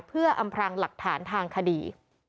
เพื่ออำพลังหลักฐานทางคดี